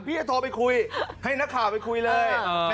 จะโทรไปคุยให้นักข่าวไปคุยเลย